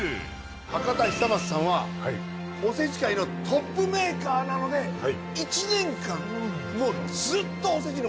博多久松さんはおせち界のトップメーカーなので１年間もう。